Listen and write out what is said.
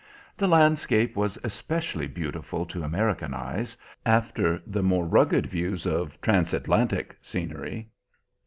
The landscape was especially beautiful to American eyes, after the more rugged views of Transatlantic scenery.